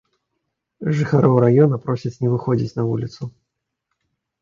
Жыхароў раёна просяць не выходзіць на вуліцу.